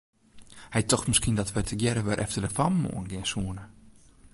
Hy tocht miskien dat wy tegearre wer efter de fammen oan gean soene.